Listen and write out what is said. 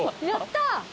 やった！